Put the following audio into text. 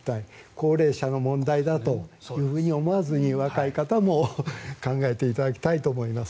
高齢者の問題だと思わずに若い方も考えていただきたいと思います。